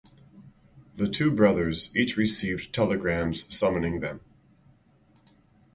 The two brothers each received telegrams summoning them.